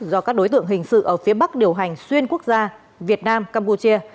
do các đối tượng hình sự ở phía bắc điều hành xuyên quốc gia việt nam campuchia